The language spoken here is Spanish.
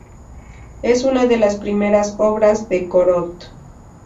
Es una de las primeras obras de Corot.